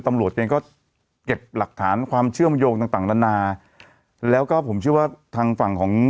ตำรวจเองก็เก็บหลักฐานความเชื่อมโยงต่างต่างนานาแล้วก็ผมเชื่อว่าทางฝั่งของ